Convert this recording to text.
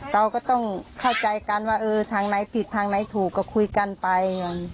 เราก็ต้องเข้าใจกันว่าเออทางไหนผิดทางไหนถูกก็คุยกันไป